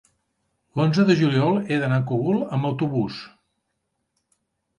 l'onze de juliol he d'anar al Cogul amb autobús.